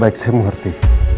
baik saya mengerti